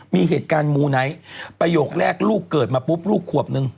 มีเหตุการณ์มูไนท์ประโยคแรกลูกเกิดมาปุ๊บลูกขวบนึง